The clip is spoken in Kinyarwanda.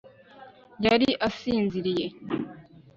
Yari asinziriye